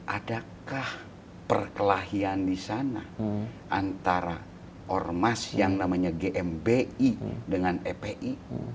adakah perkelahian di sana antara ormas yang namanya gmbi dengan fpi